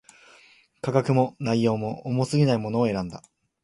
価格も、内容も、重過ぎないものを選んだ